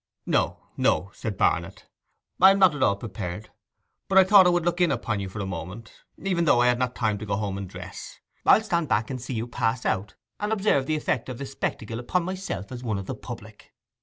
'No, no,' said Barnet; 'I am not at all prepared; but I thought I would look in upon you for a moment, even though I had not time to go home and dress. I'll stand back and see you pass out, and observe the effect of the spectacle upon myself as one of the public.